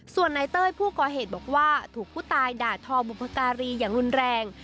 ส่วนนายเต้ยผู้ก่อเหตุบอกว่าถูกผู้ตายด่าทอบุพการีอย่างรุนแรง